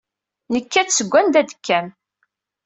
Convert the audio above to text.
Nekka-d seg wanda d-tekkam.